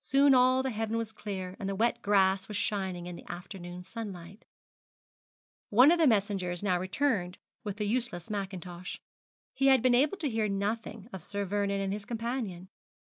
Soon all the heaven was clear, and the wet grass was shining in the afternoon sunlight. One of the messengers now returned with the useless mackintosh. He had been able to hear nothing of Sir Vernon and his companion.